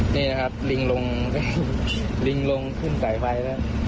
นี่นะครับลิงลงลิงลงขึ้นสายไฟแล้ว